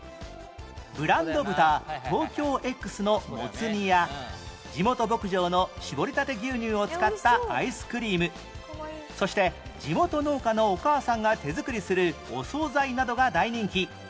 ブランド豚 ＴＯＫＹＯＸ のモツ煮や地元牧場の搾りたて牛乳を使ったアイスクリームそして地元農家のお母さんが手作りするお総菜などが大人気